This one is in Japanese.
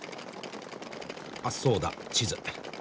あっそうだ地図。